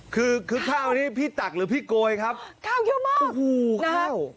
คือคือข้าวนี้พี่ตักหรือพี่โกยครับข้าวเยอะมากโอ้โหข้าว